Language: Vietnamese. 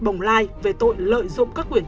bồng lai về tội lợi dụng các quyền